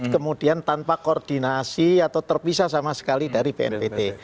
kemudian tanpa koordinasi atau terpisah sama sekali dari bnpt